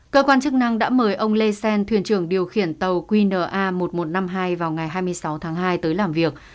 cơ quan chức năng đã mời ông lê xen thuyền trưởng điều khiển tàu qna một nghìn một trăm năm mươi hai vào ngày hai mươi sáu tháng hai tới làm việc